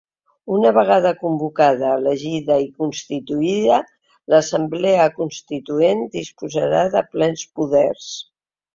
Una vegada convocada, elegida i constituïda, l’assemblea constituent disposarà de plens poders.